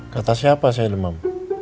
kata siapa saya demam